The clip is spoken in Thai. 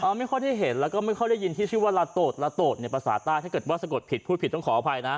ไม่ค่อยได้เห็นแล้วก็ไม่ค่อยได้ยินที่ชื่อว่าลาโตลาโตดเนี่ยภาษาใต้ถ้าเกิดว่าสะกดผิดพูดผิดต้องขออภัยนะ